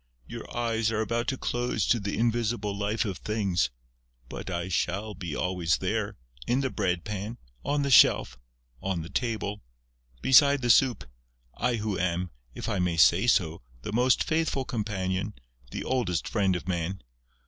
Your eyes are about to close to the invisible life of Things; but I shall be always there, in the bread pan, on the shelf, on the table, beside the soup, I who am, if I may say so, the most faithful companion, the oldest friend of Man...."